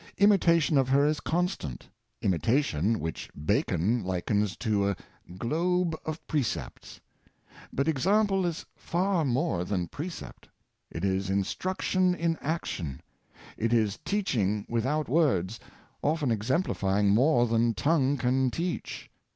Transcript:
Imitation of her is constant — imitation, which Bacon likens to a Power of Example, 9 Q "globe of precepts." But example is far more than precept. It is instruction in action. It is teaching without words, often exemplifying more than tongue can teach.